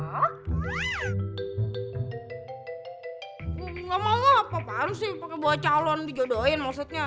nggak malah apa apaan sih pakai bawa calon dijodohin maksudnya